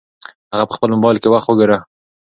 هغه په خپل موبایل کې وخت وګوره.